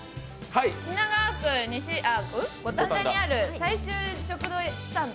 品川区五反田にある大衆食堂スタンド